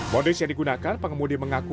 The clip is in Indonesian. modus yang digunakan pengemudi mengaku